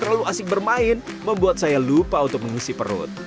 terlalu asik bermain membuat saya lupa untuk mengisi perut